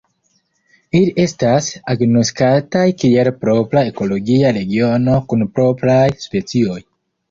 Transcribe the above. Ili estas agnoskataj kiel propra ekologia regiono kun propraj specioj.